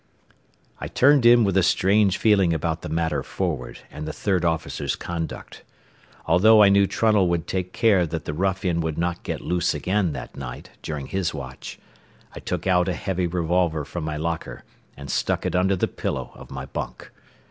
I turned in with a strange feeling about the matter forward and the third officer's conduct. Although I knew Trunnell would take care that the ruffian would not get loose again that night during his watch, I took out a heavy revolver from my locker and stuck it under the pillow of my bunk.